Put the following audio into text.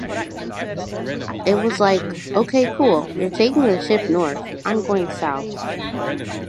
It was like 'Okay, cool, you're taking the ship north, I'm going south.